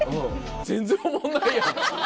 全然おもんないやん。